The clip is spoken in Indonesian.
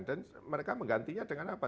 dan mereka menggantinya dengan apa